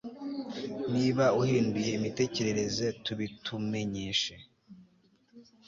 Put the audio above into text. Niba uhinduye imitekerereze tubitumenyeshe